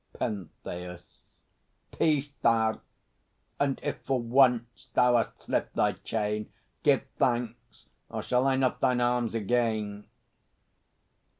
PENTHEUS. Peace, thou! And if for once thou hast slipped thy chain, Give thanks! Or shall I knot thine arms again?